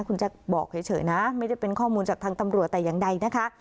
คุณแจ็คบอกเฉยนะไม่ได้เป็นข้อมูลจากทางตำรวจแต่อย่างใดนะคะ